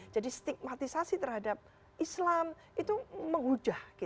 jadi stigmatisasi terhadap islam itu menghujah